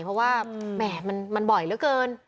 เพราะว่าแหม่มันบ่อยเหลือเกิน